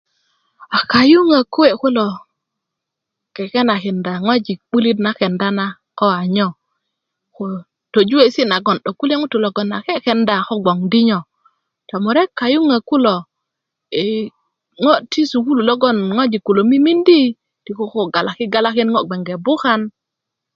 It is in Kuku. a kayuŋwö kuwe kulo kekenakinda ŋojik 'bulit na kenda na ko a nyo ko tojuwesi' nagon kule' ŋutuu logon ake kenda ko gboŋ dinyo tomurek kayuŋök kulo e ŋo ti sukulu logon ŋojik kulo mimindi ti koko galaki galakin ŋo gboŋge bukan